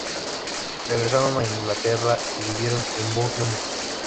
Regresaron a Inglaterra y vivieron en Bournemouth.